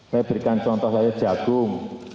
saya berikan contoh saja jagung